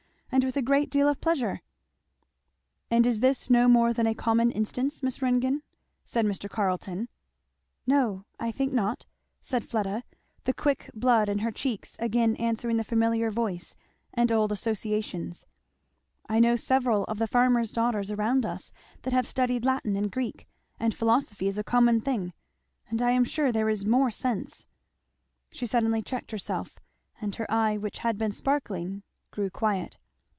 and with a great deal of pleasure." "And is this no more than a common instance, Miss Ringgan?" said Mr. Carleton. "No, I think not," said Fleda; the quick blood in her cheeks again answering the familiar voice and old associations; "I know several of the farmers' daughters around us that have studied Latin and Greek; and philosophy is a common thing; and I am sure there is more sense" She suddenly checked herself, and her eye which had been sparkling grew quiet.